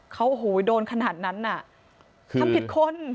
เขาโอ้โหโดนขนาดนั้นน่ะทำผิดคน